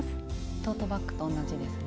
トートバッグと同じですね。